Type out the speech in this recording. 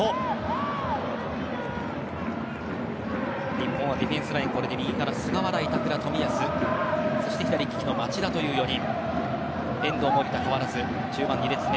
日本はディフェンスラインが右から菅原、板倉、冨安そして左利きの町田という４人。